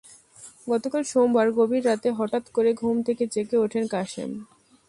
গতকাল সোমবার গভীর রাতে হঠাৎ করে ঘুম থেকে জেগে ওঠেন কাশেম।